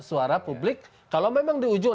suara publik kalau memang di ujung